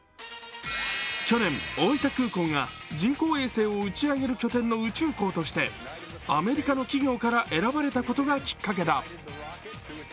去年大分空港が人工衛星を打ち上げる拠点の宇宙港としてアメリカの企業から選ばれたことがきっかけだ。